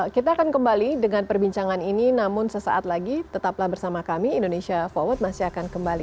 kita akan kembali dengan perbincangan ini namun sesaat lagi tetaplah bersama kami indonesia forward masih akan kembali